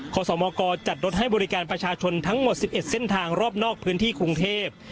ขอสมกจัดรถให้บริการประชาชนทั้งหมด๑๑เส้นทางรอบนอกพื้นที่กรุงเทพ